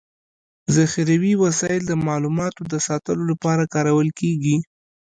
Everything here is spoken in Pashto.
ذخيروي وسایل د معلوماتو د ساتلو لپاره کارول کيږي.